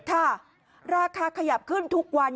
ค่ะราคาขยับขึ้นทุกวัน